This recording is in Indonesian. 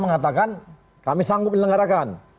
mengatakan kami sanggup menyelenggarakan